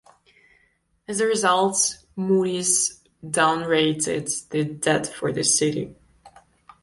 As a result, Moody's downrated the debt for the city.